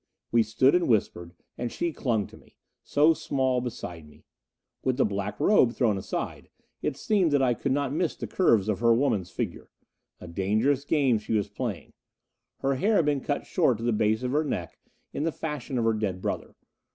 We stood and whispered, and she clung to me so small beside me. With the black robe thrown aside, it seemed that I could not miss the curves of her woman's figure. A dangerous game she was playing. Her hair had been cut short to the base of her neck, in the fashion of her dead brother.